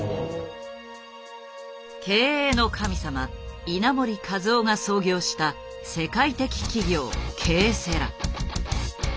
経営の神様稲盛和夫が創業した世界的企業Ｋセラ。